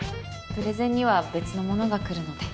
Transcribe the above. プレゼンには別の者が来るので。